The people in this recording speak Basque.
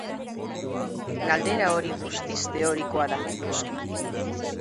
Galdera hori guztiz teorikoa da, noski.